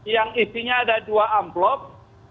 yang isinya ada dua amplop